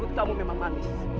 menurut kamu memang manis